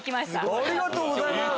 ありがとうございます。